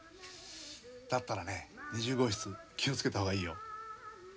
だったらね二十号室気を付けた方がいいよ。